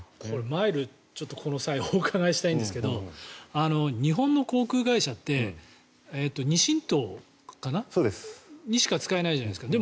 マイルこの際、お伺いしたいんですけど日本の航空会社って２親等にしか使えないじゃないですか。